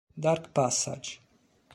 Dark Passage